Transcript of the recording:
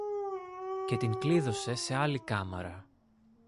και την κλείδωσε σε άλλη κάμαρα.